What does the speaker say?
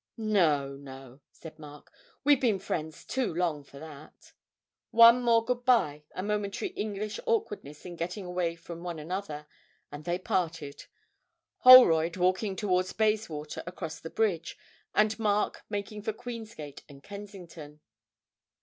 'No, no,' said Mark; 'we've been friends too long for that.' One more good bye, a momentary English awkwardness in getting away from one another, and they parted, Holroyd walking towards Bayswater across the bridge, and Mark making for Queen's Gate and Kensington.